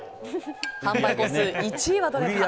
販売個数１位はどれか。